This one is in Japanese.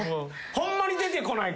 ホンマに出てこないから。